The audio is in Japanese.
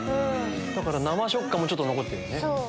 だから生食感もちょっと残ってる。